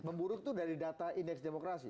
memburuk itu dari data indeks demokrasi